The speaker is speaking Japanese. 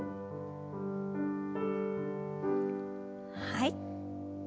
はい。